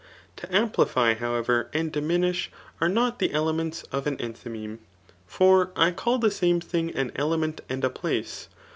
To amplify^ however, and diminisb, ate not* the de? ments of an enthymeme ; for I call the same thing an element and place.